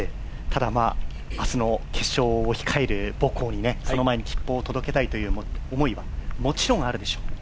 ただ、明日の決勝を控える母校にその前に切符を届けたいという思いはもちろんあるでしょう。